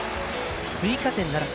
追加点ならず。